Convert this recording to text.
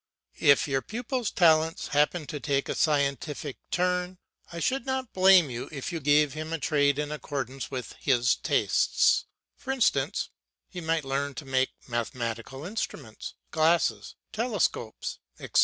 If your pupil's talents happened to take a scientific turn, I should not blame you if you gave him a trade in accordance with his tastes, for instance, he might learn to make mathematical instruments, glasses, telescopes, etc.